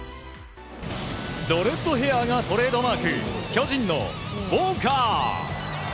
ドレッドヘアがトレードマーク巨人のウォーカー。